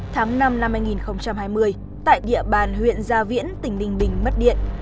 tháng năm năm hai nghìn hai mươi tại địa bàn huyện gia viễn tỉnh ninh bình mất điện